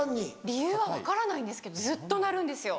理由は分からないんですけどずっと鳴るんですよ。